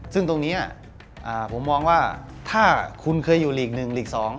ซึ่งตรงนี้ผมมองว่าถ้าคุณเคยอยู่หลีก๑หลีก๒